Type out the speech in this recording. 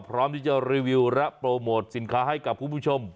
พร้อมที่จะรีวิวและโปรโมทสินค้าให้กับคุณผู้ชม